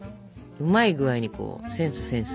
うまい具合にこうセンスセンス！